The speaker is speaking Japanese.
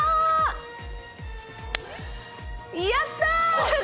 やったー！